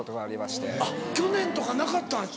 あっ去年とかなかった？